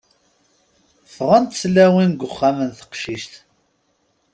Ffɣent tlawin g uxxam n teqcict.